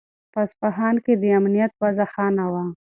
په اصفهان کې د امنیت وضع ښه نه وه.